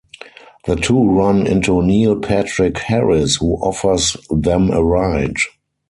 The two run into Neil Patrick Harris, who offers them a ride.